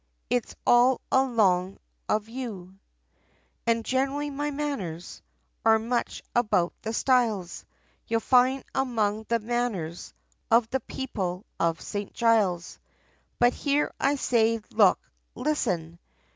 It's all along of you, And generally, my manners, Are much about the styles, You'll find amongst the manners, Of the people of St. Giles. "But here, I say, look, listen!